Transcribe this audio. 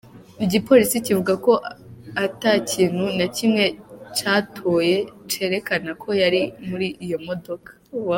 Igipolisi kivuga ko ata kintu na kimwe catoye cerekana ko yari muri iyo modoka.